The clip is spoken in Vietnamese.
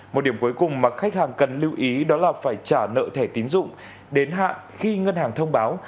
một điểm cuối cùng mà khách hàng cần lưu ý đó là phải trả nợ thẻ tín dụng đến hạ khi ngân hàng thông báo